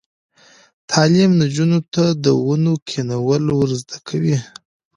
تعلیم نجونو ته د ونو کینول ور زده کوي.